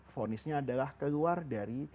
fonisnya adalah keluar dari